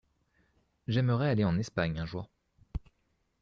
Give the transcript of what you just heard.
J’aimerais aller en Espagne un jour.